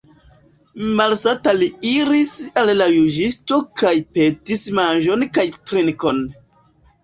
Malsata li iris al la juĝisto kaj petis manĝon kaj trinkon.